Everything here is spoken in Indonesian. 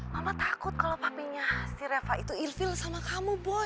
mama takut kalau papinya si reva itu infill sama kamu boy